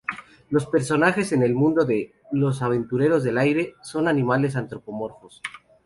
Los personajes en el mundo de "Los Aventureros del Aire" son animales antropomorfos.